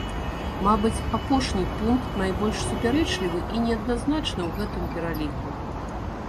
Мабыць, апошні пункт найбольш супярэчлівы і неадназначны ў гэтым пераліку.